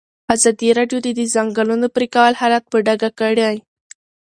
ازادي راډیو د د ځنګلونو پرېکول حالت په ډاګه کړی.